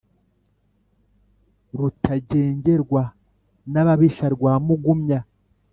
rutagengerwa n'ababisha rwa mugumya